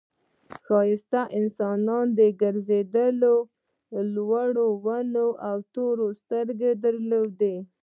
ښایسته انسانان گرځېدل لوړې ونې او تورې سترګې درلودې.